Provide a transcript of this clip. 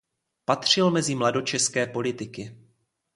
Patřil mezi mladočeské politiky.